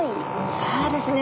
そうですね。